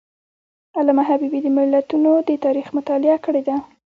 علامه حبیبي د ملتونو د تاریخ مطالعه کړې ده.